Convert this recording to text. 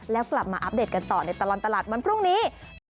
แล้วกลับมาอัปเดตกันต่อในตลอดตลาดวันพรุ่งนี้